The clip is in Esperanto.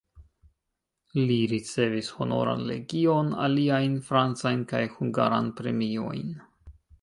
Li ricevis Honoran legion, aliajn francajn kaj hungaran premiojn.